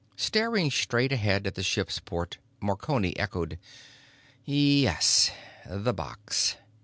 '" Staring straight ahead at the ship's port Marconi echoed: "Yes. 'The box.